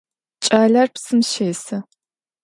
Ç'aler psım şêsı.